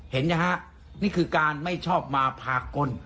เห็นไหมครับนี่คือการไม่ชอบมาภาคกล